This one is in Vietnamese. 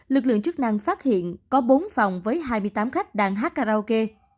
lực lượng chức năng phát hiện có bốn phòng với hai mươi tám khách đang hát karaoke